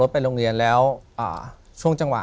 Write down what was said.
ถูกต้องไหมครับถูกต้องไหมครับ